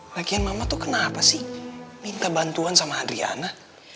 latihan mama tuh kenapa sih minta bantuan sama adriana